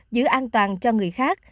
giữ an toàn cho người khác